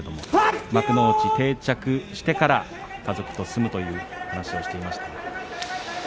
幕内に定着してから家族と住むという話をしていました。